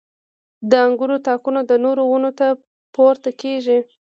• د انګورو تاکونه د نورو ونو ته پورته کېږي.